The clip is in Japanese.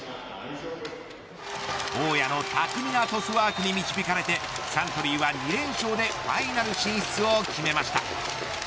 大宅の巧みなトスワークに導かれてサントリーは２連勝でファイナル進出を決めました。